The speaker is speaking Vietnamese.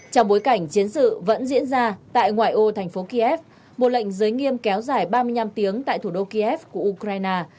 trong bối cảnh chiến sự vẫn diễn ra tại ngoại ô thành phố kiev một lệnh giới nghiêm kéo dài ba mươi năm tiếng tại thủ đô kiev của ukraine